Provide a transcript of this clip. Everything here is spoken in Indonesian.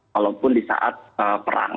walaupun di saat perang